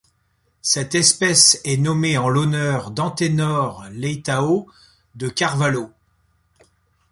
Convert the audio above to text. Cette espèce est nommée en l'honneur d'Antenor Leitão de Carvalho.